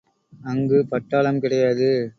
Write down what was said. அங்கு பட்டாளம் கிடையாது.